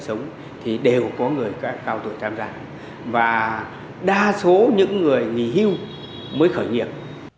sống thì đều có người cao tuổi tham gia và đa số những người nghỉ hưu mới khởi nghiệp